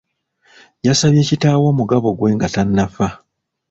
Yasabye kitaawe omugabo gwe nga tannafa.